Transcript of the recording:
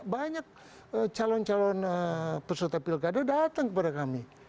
banyak calon calon peserta pilkada datang kepada kami